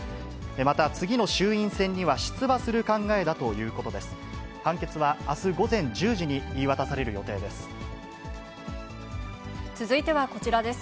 また次の衆院選には出馬する考えだということです。